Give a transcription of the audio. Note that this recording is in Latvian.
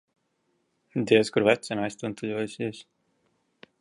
Diez kur vecene aiztuntuļojusies.